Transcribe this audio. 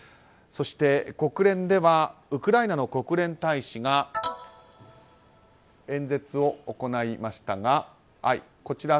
そして、国連ではウクライナの国連大使が演説を行いましたが。